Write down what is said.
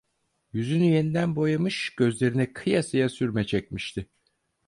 Yüzünü yeniden boyamış, gözlerine kıyasıya sürme çekmişti.